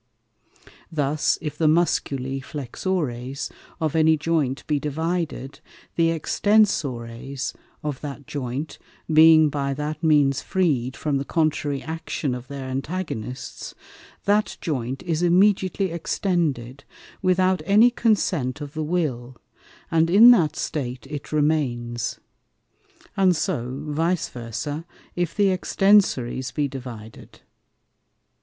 Thus, if the Musculi Flexores of any Joint be divided, the Extensores of that Joint being by that means free'd from the contrary Action of their Antagonists, that Joint is immediately extended without any consent of the Will, and in that State it remains; and so Vice versa, if the Extensores be divided.